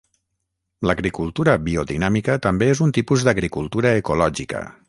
L'agricultura biodinàmica també és un tipus d'agricultura ecològica.